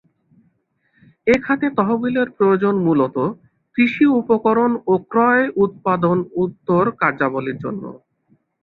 এ খাতে তহবিলের প্রয়োজন মূলত: কৃষি উপকরণ ও ক্রয় উৎপাদন উত্তর কার্যাবলীর জন্য।